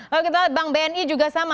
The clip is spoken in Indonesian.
lalu kita lihat bank bni juga sama